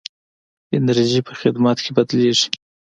انرژي په خدمت کې بدلېږي.